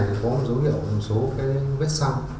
thì có dấu hiệu một số cái vết xăng